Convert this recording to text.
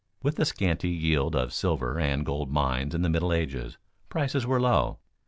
With the scanty yield of silver and gold mines in the Middle Ages, prices were low.